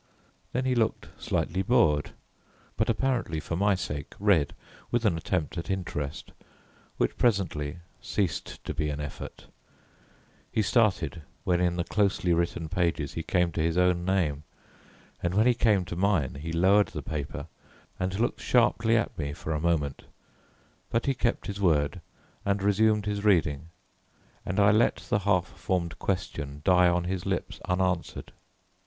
Then he looked slightly bored, but apparently for my sake read, with an attempt at interest, which presently ceased to be an effort He started when in the closely written pages he came to his own name, and when he came to mine he lowered the paper, and looked sharply at me for a moment But he kept his word, and resumed his reading, and I let the half formed question die on his lips unanswered.